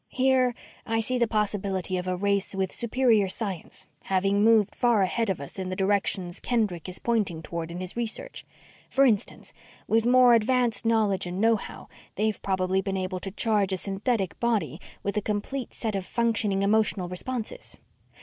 Here, I see the possibility of a race with superior science, having moved far ahead of us in the directions Kendrick is pointing toward in his research. For instance, with more advanced knowledge and know how, they've probably been able to charge a synthetic body with a complete set of functioning emotional responses.